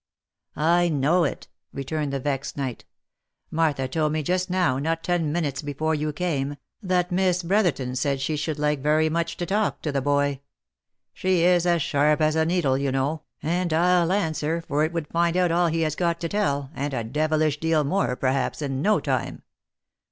* I know it," returned the vexed knight. " Martha told me just now, not ten minutes before you came, that Miss Brotherton said she should like very much to talk to the boy : she is as sharp as a needle, you know, and I'll answer for it would find out all he has got to tell, and a devilish deal more, perhaps, in no time.